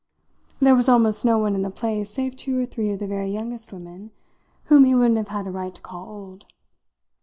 There was almost no one in the place save two or three of the very youngest women whom he wouldn't have had a right to call old.